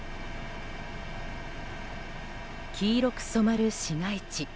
黄色く染まる市街地。